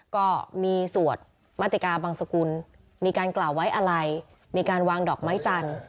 ก็มีสวดมาติกาบังสกุลมีการกล่าวไว้อะไรมีการวางดอกไม้จันทร์